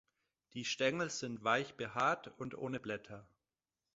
Die Stängel sind weich behaart und ohne Blätter.